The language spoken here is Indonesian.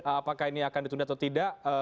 apakah ini akan ditunda atau tidak